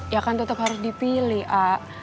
ya kan tetep harus dipilih ak